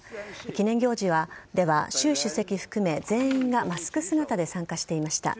記念行事では習主席含め全員がマスク姿で参加していました。